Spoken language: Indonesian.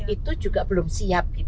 itu juga belum siap